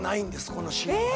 このシールは。